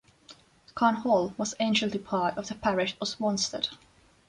Cann Hall was anciently part of the parish of Wanstead.